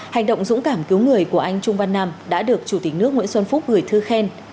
hành động dũng cảm cứu người của anh trung văn nam đã được chủ tịch nước nguyễn xuân phúc gửi thư khen